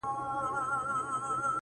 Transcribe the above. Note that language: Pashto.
• تا خو لیدې د خزانونو له چپاوه کډي -